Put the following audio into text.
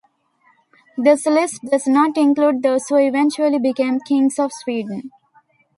This list does not include those who eventually became Kings of Sweden.